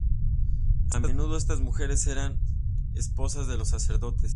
A menudo, estas mujeres eran esposas de los sacerdotes.